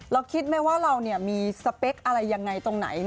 เราคิดไม่ว่าเราเนี่ยมีสเปกยังไงตรงไหน